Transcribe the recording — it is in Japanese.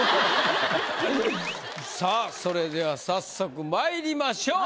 さあそれでは早速まいりましょう。